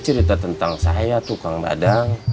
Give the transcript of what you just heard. saya cerita tentang saya tukang badang